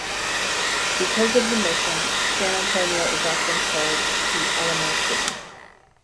Because of the mission, San Antonio is often called the "Alamo City".